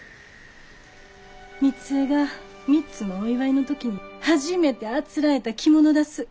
みつえが３つのお祝いの時に初めてあつらえた着物だす。